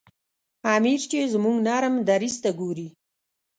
امیر چې زموږ نرم دریځ ته ګوري.